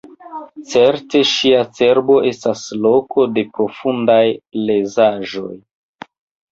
Certe ŝia cerbo estas loko de profundaj lezaĵoj.